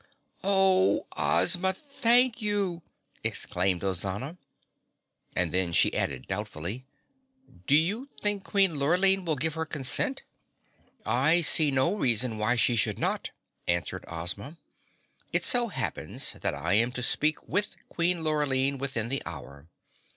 "Oh, Ozma, thank you!" exclaimed Ozana. And then she added doubtfully, "Do you think Queen Lurline will give her consent?" "I see no reason why she should not," answered Ozma. "It so happens that I am to speak with Queen Lurline within the hour.